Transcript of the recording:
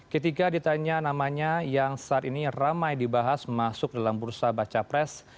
ketika ditanya namanya yang saat ini ramai dibahas masuk dalam bursa baca pres